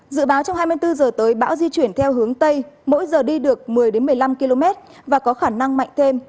dự báo trong hai mươi bốn h tới bão di chuyển theo hướng tây mỗi giờ đi được một mươi một mươi năm km và có khả năng mạnh thêm